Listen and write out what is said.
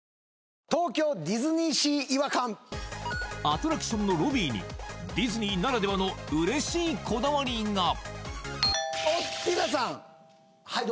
アトラクションのロビーにディズニーならではの嬉しいこだわりがおっティナさんはい